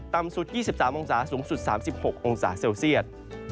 สุด๒๓องศาสูงสุด๓๖องศาเซลเซียต